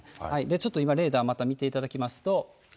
ちょっと今レーダーまた見ていただきますと。